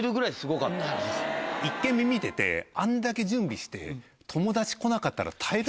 １軒目見ててあんだけ準備して。